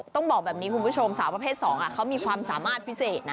ต้องบอกแบบนี้คุณผู้ชมสาวประเภท๒เขามีความสามารถพิเศษนะ